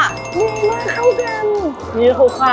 เหนียวมากเข้ากัน